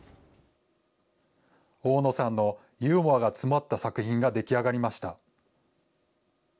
大野さんのユーモアが詰まった作品が出来上がりました。